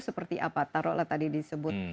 seperti apa taruhlah tadi disebut